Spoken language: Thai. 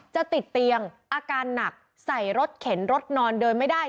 จะติดเตียงอาการหนักใส่รถเข็นรถนอนเดินไม่ได้